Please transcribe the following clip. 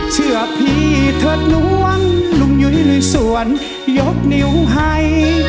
เชื่อพี่เถิดล้วงลุงยุ้ยลุยสวนยกนิ้วให้